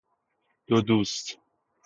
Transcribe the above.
دو دوست